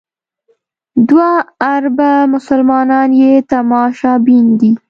دوه اربه مسلمانان یې تماشبین دي.